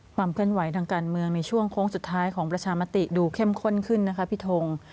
ความเคลื่อนไหวทางการเมืองในช่วงโค้งสุดท้ายของประชามติดูเข้มข้นขึ้นนะคะพี่ทง